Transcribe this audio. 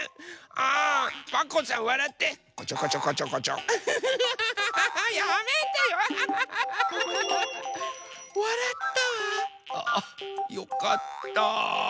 ああよかった。